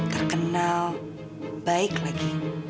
terkenal baik lagi